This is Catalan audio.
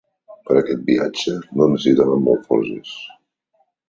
Per a aquest viatge no necessitàvem alforges.